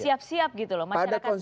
siap siap gitu loh masyarakat biasa